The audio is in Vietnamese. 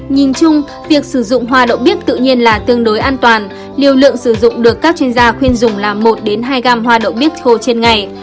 nhìn chung việc sử dụng hoa đậu bít tự nhiên là tương đối an toàn liều lượng sử dụng được các chuyên gia khuyên dùng là một hai gam hoa đậu bít thô trên ngày